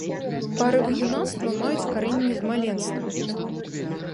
Парывы юнацтва маюць карэнні з маленства.